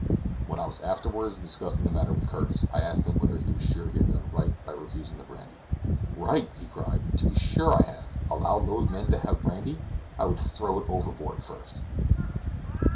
When I was afterward discussing the matter with Curtis, I asked him whether he was sure he had done right in refusing the brandy. "Right!" he cried, "to be sure I have. Allow those men to have brandy! I would throw it all overboard first."